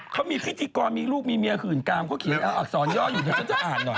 เขามีพิธีกรมีลูกมีเมียหื่นกามเขาเขียนอักษรย่ออยู่เดี๋ยวฉันจะอ่านหน่อย